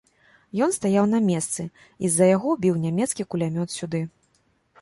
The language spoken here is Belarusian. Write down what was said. Ён стаяў на месцы, і з-за яго біў нямецкі кулямёт сюды.